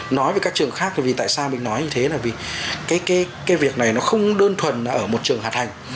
nói về các trường khác thì tại sao mình nói như thế là vì cái việc này nó không đơn thuần là ở một trường hạt hành